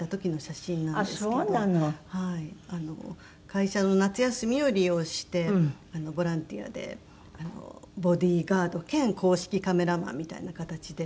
会社の夏休みを利用してボランティアでボディーガード兼公式カメラマンみたいな形で。